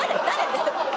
誰？